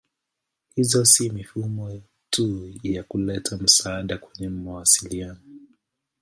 Hizo si mifumo tu ya kuleta msaada kwenye mawasiliano.